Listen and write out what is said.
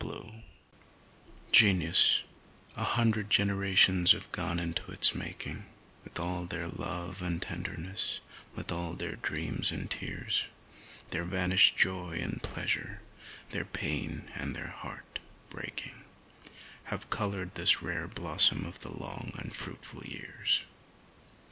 131 GENIUS A HUNDRED generations have gone into its making, With all their love and tenderness, with all their dreams and tears; Their vanished joy and pleasure, their pain and their heart breaking, Have colored this rare blossom of the long unfruit ful years.